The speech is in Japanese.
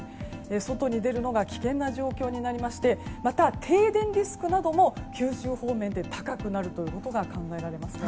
外に出るのが危険な状況になりましてまた、停電リスクなども九州方面で高くなることが考えられます。